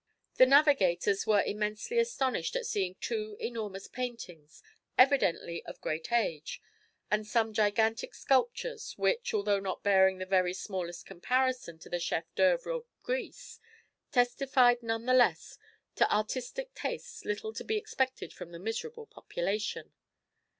The navigators were immensely astonished at seeing two enormous paintings, evidently of great age, and some gigantic sculptures, which, although not bearing the very smallest comparison to the chef d'oeuvres of Greece, testified none the less to artistic tastes little to be expected from the miserable population.